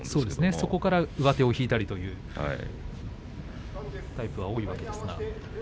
そこから上手を引いたりというタイプが多いわけですが。